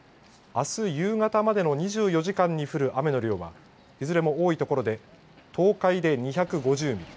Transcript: あす夕方までの２４時間に降る雨の量はいずれも多い所で東海で２５０ミリ